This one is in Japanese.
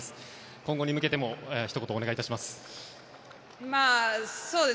今後に向けてもひと言お願いします。